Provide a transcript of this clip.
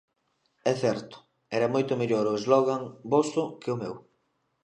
É certo, era moito mellor o slogan voso que o meu.